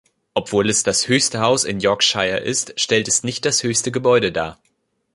Obwohl es das höchste Haus in Yorkshire ist, stellt es nicht das höchste Gebäude dar.